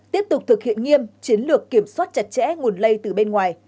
tiếp tục thực hiện nghiêm chiến lược kiểm soát chặt chẽ nguồn lây từ bên ngoài